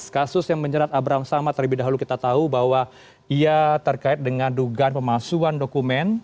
kasus yang menjerat abraham samad terlebih dahulu kita tahu bahwa ia terkait dengan dugaan pemalsuan dokumen